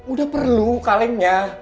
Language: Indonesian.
udah perlu kalengnya